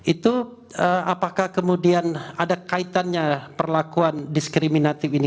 itu apakah kemudian ada kaitannya perlakuan diskriminatif ini